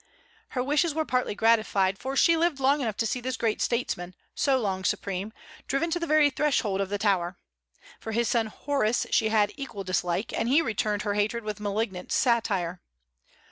Her wishes were partly gratified, for she lived long enough to see this great statesman so long supreme driven to the very threshold of the Tower. For his son Horace she had equal dislike, and he returned her hatred with malignant satire.